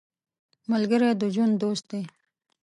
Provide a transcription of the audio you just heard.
ملګری د ژوند دوست دی